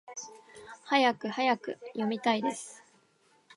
はやくはやく！読みたいです！